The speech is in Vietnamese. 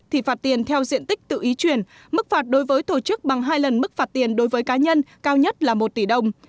thì phạt tiền theo diện tích tự ý chuyển mức phạt đối với tổ chức bằng hai lần mức phạt tiền đối với cá nhân cao nhất là một tỷ đồng